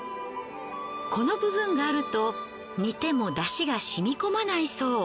この部分があると煮ても出汁がしみ込まないそう。